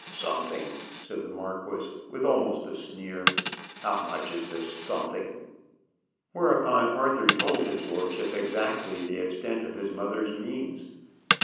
"Something!" said the marquis, with almost a sneer. "How much is this something?" Whereupon Arthur told his lordship exactly the extent of his mother's means.